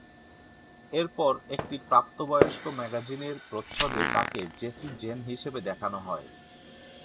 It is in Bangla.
এরপর একটি প্রাপ্তবয়স্ক ম্যাগাজিনের প্রচ্ছদে তাকে জেসি জেন হিসেবে দেখানো হয়।